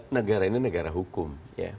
negara ini negara hukum